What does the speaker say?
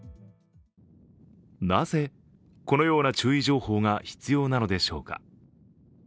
なぜ、このような注意情報が必要なのでしょうか。